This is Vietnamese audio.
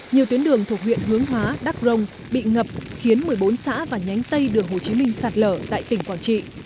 nhiều tuyến đường thuộc huyện hướng hóa đắc rông bị ngập khiến một mươi bốn xã và nhánh tây đường hồ chí minh sạt lở tại tỉnh quảng trị